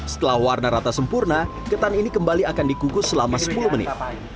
setelah warna rata sempurna ketan ini kembali akan dikukus selama sepuluh menit